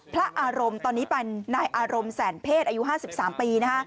พระอารมณ์ตอนนี้เป็นนายอารมณ์แสนเพศอายุ๕๓ปี